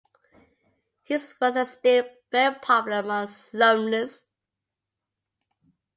His works are still very popular among Slovenes.